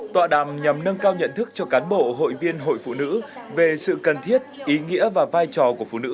tọa đàm nhằm nâng cao nhận thức cho cán bộ hội viên hội phụ nữ về sự cần thiết ý nghĩa và vai trò của phụ nữ